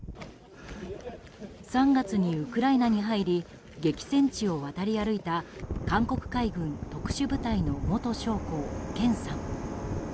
３月にウクライナに入り激戦地を渡り歩いた韓国海軍特殊部隊の元将校ケンさん。